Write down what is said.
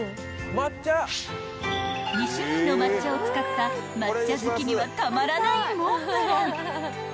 ［２種類の抹茶を使った抹茶好きにはたまらないモンブラン］